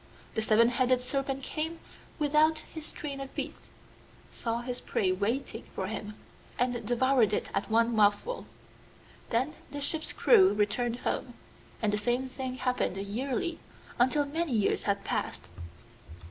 The Seven headed Serpent came without his train of beasts, saw his prey waiting for him, and devoured it at one mouthful. Then the ship's crew returned home, and the same thing happened yearly until many years had passed.